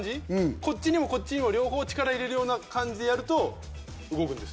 こっちにもこっちにも両方力入れるような感じでやると動くんです。